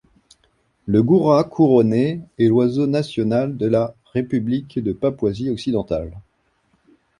Le Goura couronné est l'oiseau national de la République de Papouasie occidentale.